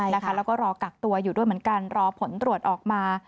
แล้วก็รอกักตัวอยู่ด้วยเหมือนกันรอผลตรวจออกมา